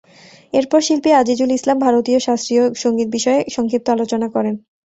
এরপর শিল্পী আজিজুল ইসলাম ভারতীয় শাস্ত্রীয় সংগীত বিষয়ে সংক্ষিপ্ত আলোচনা করেন।